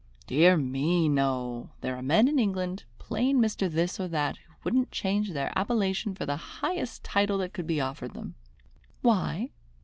"Dear me, no! There are men in England, plain Mr. This or That, who wouldn't change their appellation for the highest title that could be offered them." "Why?"